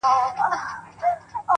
• نیلی مړ سو دښمن مات سو تښتېدلی ,